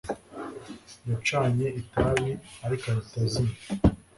Yacanye itabi ariko ahita azimya